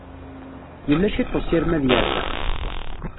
Yella cwiṭ n ussirem ad yerbeḥ.